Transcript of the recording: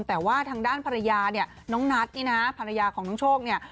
แต่ว่าทางด้านภรรยาเนี่ยน้องนัทนี่นะภรรยาของน้องโชคเนี่ย